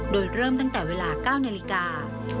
โดยเริ่มตั้งแต่เวลา๙นาฬิกา